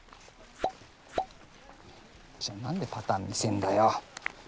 じゃあ何でパターン見せんだよ！